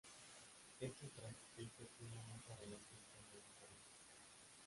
Esta estrategia tiene mucha relación con el anterior.